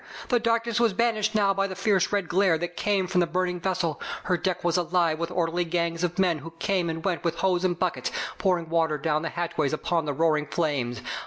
The darkness was banished now by the fierce red glare that came from the burning vessel. Her deck was alive with orderly gangs of men who fame and went with hose and buckets, pour ing water down the hatchways upon the roaring flames.